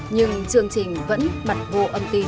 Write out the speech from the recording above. nhưng chương trình vẫn mặt vô âm tín